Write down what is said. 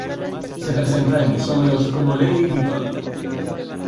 Se presenta en isómeros como el L-iditol.